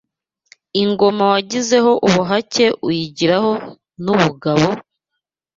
Ingoma wagizeho ubuhake uyigiraho n’ubugabo :